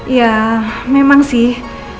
ya memang sih